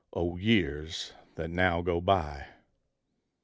O years that now go by!